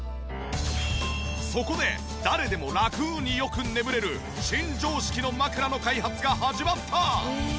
そこで誰でもラクによく眠れる新常識の枕の開発が始まった。